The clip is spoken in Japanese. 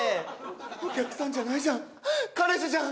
お客さんじゃないじゃん彼氏じゃん！